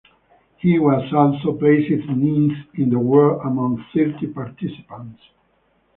He was also placed ninth in the world among thirty participants.